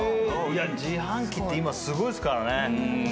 自販機って今すごいっすからね。